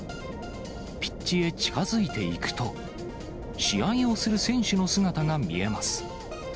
ピッチへ近づいていくと、試合をする選手の姿が見えます。